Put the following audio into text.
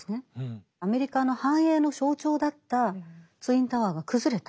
アメリカの繁栄の象徴だったツインタワーが崩れた。